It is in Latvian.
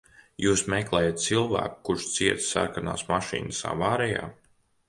Jūs meklējat cilvēku, kurš cieta sarkanās mašīnas avārijā?